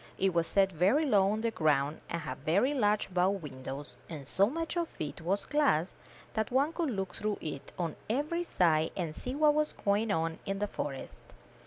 It was set very low on the ground, and had very large bow windows, and so much of it was glass that one could look through it on every side and see what was going on in the forest.